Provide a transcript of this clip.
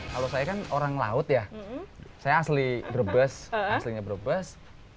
kalau saya kan orang laut ya saya asli brebes aslinya brebes